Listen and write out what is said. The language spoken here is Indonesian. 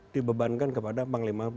dibebankan kepada panglima